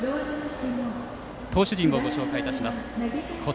投手陣をご紹介します。